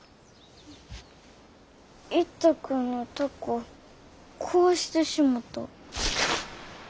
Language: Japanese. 一太君の凧壊してしもた。